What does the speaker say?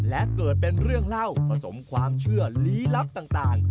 และเกิดเป็นเรื่องเล่าผสมความเชื่อลี้ลับต่าง